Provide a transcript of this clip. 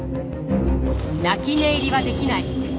泣き寝入りはできない。